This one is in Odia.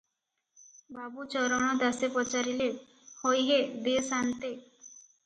ବାବୁ ଚରଣ ଦାସେ ପଚାରିଲେ, "ହୋଇ ହେ ଦେ ସାନ୍ତେ ।